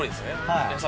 はい。